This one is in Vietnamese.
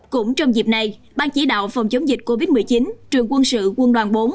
cũng trong dịp này ban chỉ đạo phòng chống dịch covid một mươi chín trường quân sự quân đoàn bốn